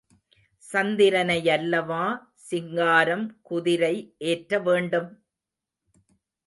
சந்திரனையல்லவா சிங்காரம் குதிரை ஏற்ற வேண்டும்?